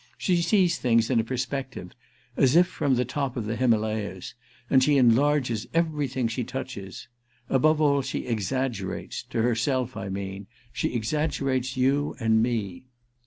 She sees things in a perspective—as if from the top of the Himalayas—and she enlarges everything she touches. Above all she exaggerates—to herself, I mean. She exaggerates you and me!"